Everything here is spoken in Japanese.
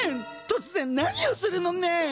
突然何をするのねん！